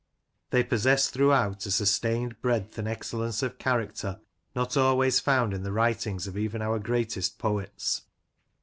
They possess throughout, a sustained breadth and excellence of character not always found in the writings of even our greatest poets.